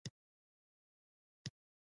د اې ار یو نیوز خیبر پښتونخوا مسوول و.